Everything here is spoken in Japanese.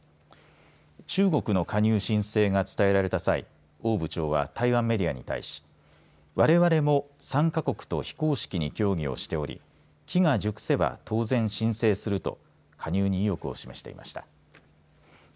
中国の加入申請が伝えられた際王部長は、台湾メディアに対しわれわれも参加国と非公式に協議をしており機が熟せば当然申請すると加入に意欲を示していました。